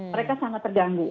mereka sangat terganggu